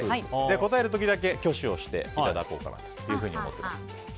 答える時だけ挙手をしていただこうかなと思っています。